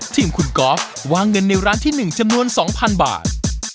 ทีมคุณกอล์ฟวางเงินในร้านที่๑จำนวน๒๐๐บาท